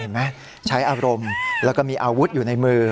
ใช้อารมณ์แล้วก็มีอาวุธอยู่ในมือ